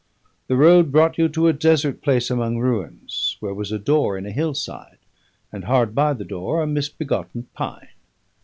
The road brought you to a desert place among ruins, where was a door in a hill side, and hard by the door a misbegotten pine.